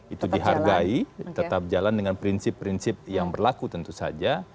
itu dihargai tetap jalan dengan prinsip prinsip yang berlaku tentu saja